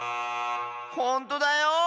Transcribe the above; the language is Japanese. ほんとだよ！